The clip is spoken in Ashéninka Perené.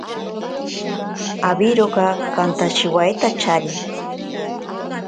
Awiroka kantashiwaitachari.